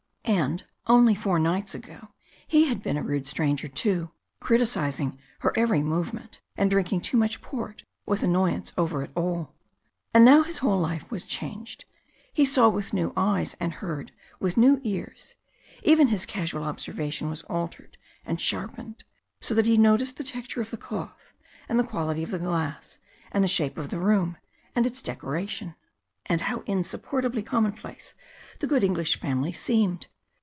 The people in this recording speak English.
And only four nights ago he had been a rude stranger, too, criticising her every movement, and drinking too much port with annoyance over it all. And now his whole life was changed. He saw with new eyes, and heard with new ears, even his casual observation was altered and sharpened, so that he noticed the texture of the cloth and the quality of the glass, and the shape of the room and its decoration. And how insupportably commonplace the good English family seemed!